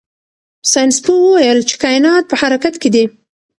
ساینس پوه وویل چې کائنات په حرکت کې دي.